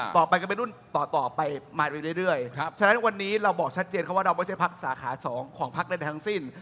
ต่อไปก็เป็นรุ่นต่อไปมาเรื่อยฉะนั้นวันนี้เราบอกชัดเจนเขาว่าเราไม่ใช่พักสาขา๒ของพักใดทั้งสิ้น